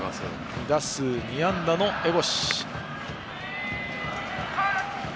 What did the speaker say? ２打数２安打の江越。